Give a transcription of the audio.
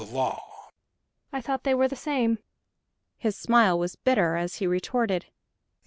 "I thought they were the same." His smile was bitter, as he retorted: "No, not always.